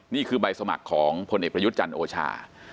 นี่คือใบสมัครของพลเอกประยุทธ์จันทร์โอชา